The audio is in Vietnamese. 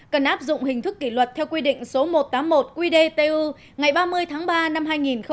cần áp dụng hình thức kỷ luật theo quy định số một trăm tám mươi một qdtu ngày ba mươi tháng ba năm hai nghìn một mươi chín